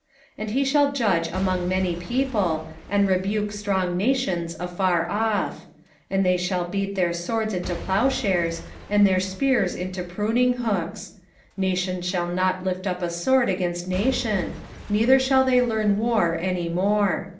4:3 And he shall judge among many people, and rebuke strong nations afar off; and they shall beat their swords into plowshares, and their spears into pruninghooks: nation shall not lift up a sword against nation, neither shall they learn war any more.